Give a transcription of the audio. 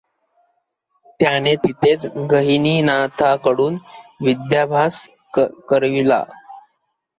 त्यानें तेथेंच गहिनीनाथाकडून विद्याभ्यास करविला.